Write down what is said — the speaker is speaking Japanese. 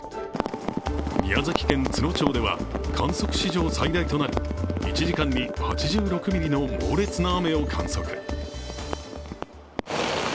宮崎県都農町では観測史上最大となる１時間に８６ミリの猛烈な雨を観測。